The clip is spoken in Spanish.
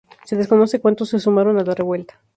Se desconoce cuántos se sumaron a la revuelta.